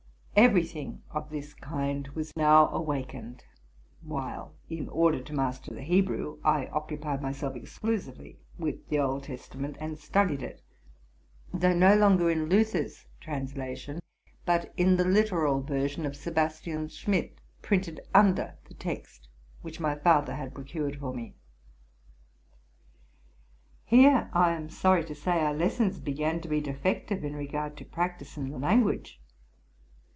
Every thing of this kind was now awakened; while, in order to master the Hebrew, I occupied myself exclusively with the Old Testament, and studied it, though no longer in Luther's translation, but in the literal version of Sebastian Schmid. printed under the text, which my father had procured for me. Here, I im sorry to say, our lessons began to be defective in regard to practice in the language.